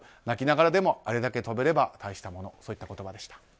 泣きながらでもあれだけ飛べれば大したものそういった言葉でした。